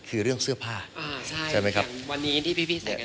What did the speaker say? คือเรื่องเสื้อผ้าอ่าใช่ไหมครับอย่างวันนี้ที่พี่พี่ใส่กันมา